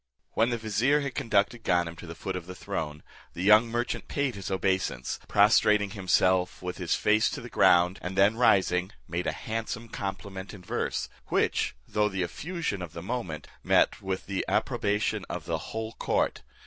When the vizier had conducted Ganem to the foot of the throne, the young merchant paid his obeisance, prostrating himself with his face to the ground, and then rising, made a handsome compliment in verse, which, though the effusion of the moment, met with the approbation of the whole court.